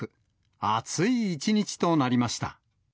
暑い一日となりました。